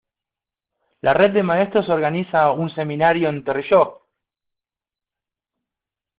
La red de maestros organiza un seminario en Torelló.